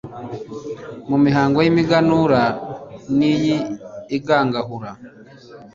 Mu mihango y'imiganura n'iy'igangahura